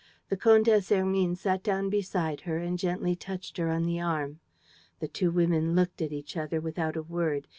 The Comtesse Hermine sat down beside her and gently touched her on the arm. The two women looked at each other without a word.